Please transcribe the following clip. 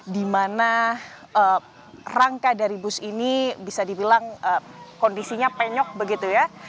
di mana rangka dari bus ini bisa dibilang kondisinya penyok begitu ya